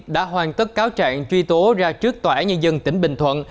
đã hoàn tất cáo trạng truy tố ra trước tòa nhà dân tỉnh bình thuận